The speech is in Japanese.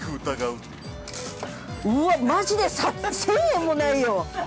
◆うわっ、マジで１０００円もないよ。